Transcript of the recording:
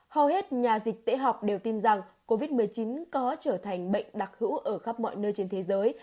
hầu hết nhà dịch tễ học đều tin rằng covid một mươi chín có trở thành bệnh đặc hữu ở khắp mọi nơi trên thế giới